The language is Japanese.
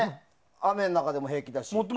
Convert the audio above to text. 雨の中でも平気だし。